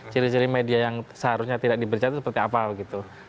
ciri ciri media yang seharusnya tidak diberi jatuh seperti apa gitu